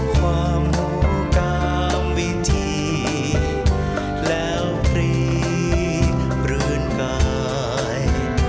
ความรู้ตามวิธีแล้วปรีรื่นกาย